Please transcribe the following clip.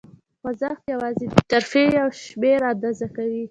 خوځښت یواځې د ترفیع شمېر آندازه کوي.